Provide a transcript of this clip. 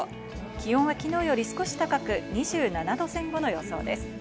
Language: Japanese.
気温は昨日より少し高く２７度前後の予想です。